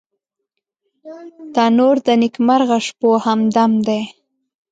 تنور د نیکمرغه شپو همدم دی